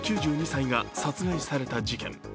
９２歳が殺害された事件。